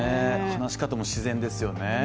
話し方も自然ですよね。